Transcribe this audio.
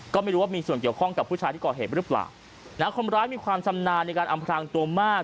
ก็ไม่รู้ว่ามีส่วนเกี่ยวข้องกับผู้ชายที่ก่อเหตุหรือเปล่านะคนร้ายมีความชำนาญในการอำพลางตัวมาก